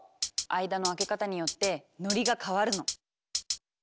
間の空け方によってノリが変わるの。